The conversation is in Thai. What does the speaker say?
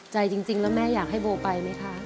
ใจจริงแล้วแม่อยากให้โบไปไหมคะ